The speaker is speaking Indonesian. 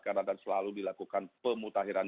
karena akan selalu dilakukan pemutahiran